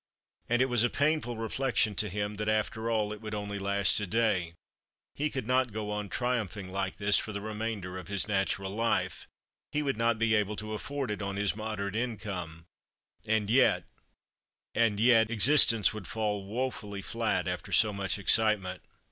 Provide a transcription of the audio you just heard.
And it was a painful reflection to him that, after all, it would only last a day; he could not go on triumphing like this for the remainder of his natural life he would not be able to afford it on his moderate income; and yet and yet existence would fall woefully flat after so much excitement.